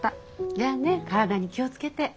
じゃあね体に気を付けて。